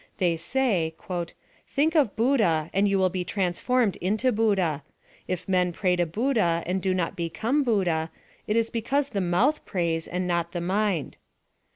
They say —" Think of Buddah and you will be transformed into Buddah. If men pray to Buddah and do not become Buddah, it is because the mouth prays, and not the mind."